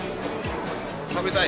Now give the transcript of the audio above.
食べたい？